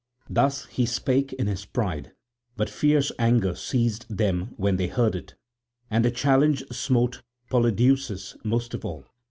Thus he spake in his pride, but fierce anger seized them when they heard it, and the challenge smote Polydeuces most of all.